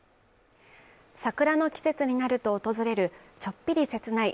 桜の季節になると訪れるちょっぴり切ない